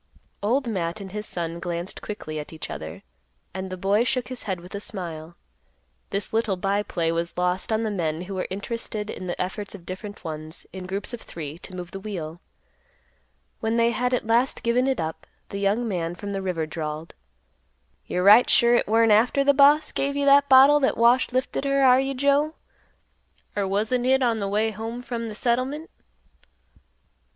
Old Matt and his son glanced quickly at each other, and the boy shook his head with a smile. This little by play was lost on the men who were interested in the efforts of different ones, in groups of three, to move the wheel. When they had at last given it up, the young man from the river drawled, "You're right sure hit weren't after th' boss give you that bottle that Wash lifted her, are you Joe? Or wasn't hit on th' way home from th' settlement?"